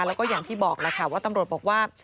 แล้วก็อย่างที่บอกแล้วค่ะว่าตำรวจบอกว่า